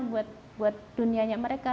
untuk dunianya mereka